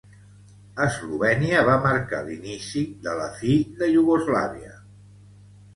Eslovènia va marcar l'inici de la fi de Iugoslàvia